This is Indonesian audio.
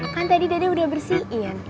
kan tadi dede udah bersihin